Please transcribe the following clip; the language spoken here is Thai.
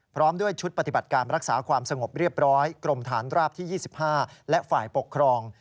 พร้อมด้วยชุดปฏิบัติการรักษาความสงบเรียบร้อยกรมฐานราบที่๒๕และฝ่ายปกครอง